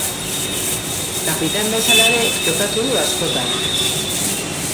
Kapitain bezala ere jokatu du askotan.